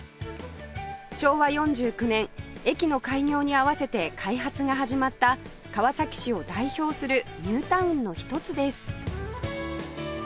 昭和４９年駅の開業に合わせて開発が始まった川崎市を代表するニュータウンの一つです